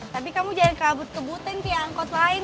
tapi kamu jangan kabut kebutin ke angkot lain